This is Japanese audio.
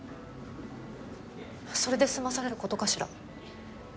それで済まされる事かしら？